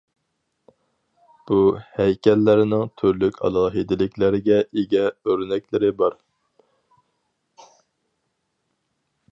بۇ ھەيكەللەرنىڭ تۈرلۈك ئالاھىدىلىكلەرگە ئىگە ئۆرنەكلىرى بار.